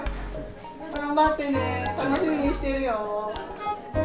頑張ってね、楽しみにしてるよ。